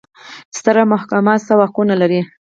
ستره محکمه څه واکونه لري؟